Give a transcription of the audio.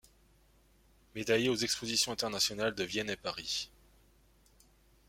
Médaillé aux expositions internationales de Vienne et Paris.